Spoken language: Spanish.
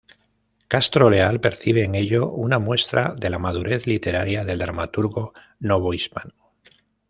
Castro Leal percibe en ello una muestra de la madurez literaria del dramaturgo novohispano.